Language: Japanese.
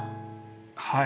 はい。